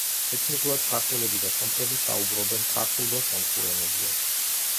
ეთნიკურად ქართველები და სომხები საუბრობენ ქართულ და სომხურ ენებზე.